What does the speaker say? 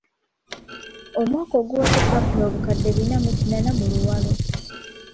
Omwaka oguwedde twafuna obukadde bina mu kinaana mu Luwalo.